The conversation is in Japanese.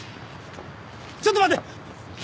ちょっと待て！